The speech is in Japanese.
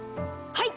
はい！